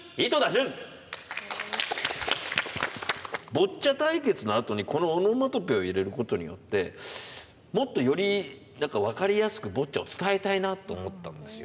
「ボッチャ対決」のあとにこのオノマトペを入れることによってもっとより分かりやすくボッチャを伝えたいなと思ったんですよ。